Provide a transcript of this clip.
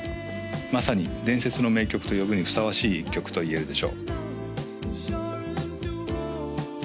まさに伝説の名曲と呼ぶにふさわしい一曲といえるでしょう